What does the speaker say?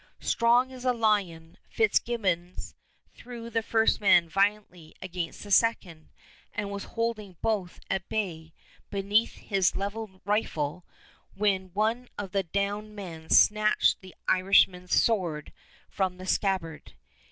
Strong as a lion, Fitzgibbons threw the first man violently against the second, and was holding both at bay beneath his leveled rifle when one of the downed men snatched the Irishman's sword from the scabbard.